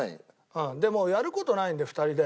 でもうやる事ないんで２人で。